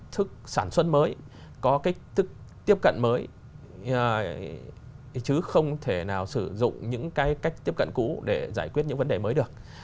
thức sản xuất mới có cách thức tiếp cận mới chứ không thể nào sử dụng những cái cách tiếp cận cũ để giải quyết những vấn đề mới được